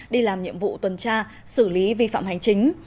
đi làm nhiệm vụ tuần tra xử lý vi phạm hành chính